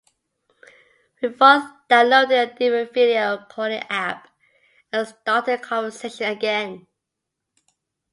We both downloaded a different video calling app and started our conversation again.